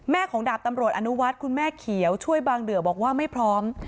ของดาบตำรวจอนุวัฒน์คุณแม่เขียวช่วยบางเดือบอกว่าไม่พร้อม